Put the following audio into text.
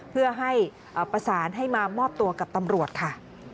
เพื่อให้ประสานให้มามอบตัวกับตำรวจค่ะ